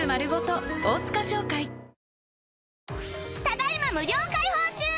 ただ今無料開放中！